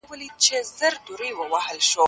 هغه د چاپېريال ساتنې ته پام درلود.